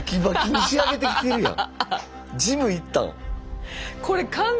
ジム行ったん？